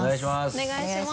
お願いします。